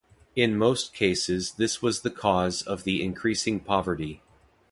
In most cases this was the cause of the increasing poverty.